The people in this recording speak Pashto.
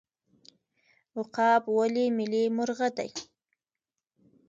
عقاب ولې ملي مرغه دی؟